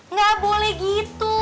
nggak boleh gitu